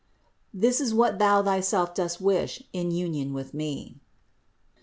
This is what Thou thyself dost wish in union with Me."